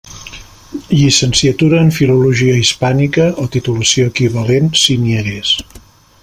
Llicenciatura en Filologia Hispànica, o titulació equivalent si n'hi hagués.